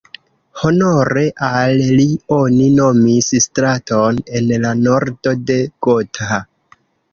Honore al li oni nomis straton en la nordo de Gotha.